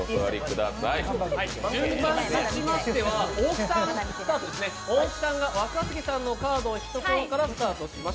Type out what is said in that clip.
順番としましては大木さんが若槻さんのカードを引くところからスタートします。